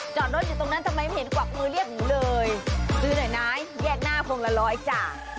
จอดรถอยู่ตรงนั้นทำไมไม่เห็นกวักมือเรียกหนูเลยซื้อหน่อยนะแยกหน้าพวงละร้อยจ้ะ